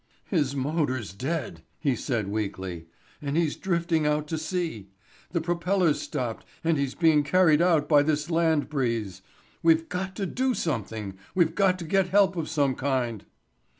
"His motor's dead," he said weakly, "and he's drifting out to sea. The propellor's stopped and he's being carried out by this land breeze. We've got to do something—we've got to get help of some kind."